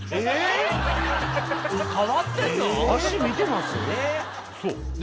足見てます？